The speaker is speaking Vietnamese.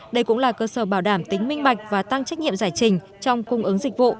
đây cũng là cơ sở bảo đảm tính minh bạch và tăng trách nhiệm giải trình trong cung ứng dịch vụ